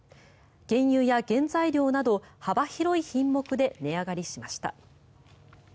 原油や原材料など幅広い品目で値上がりしました。